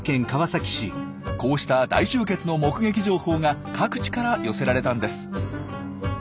こうした大集結の目撃情報が各地から寄せられたんです。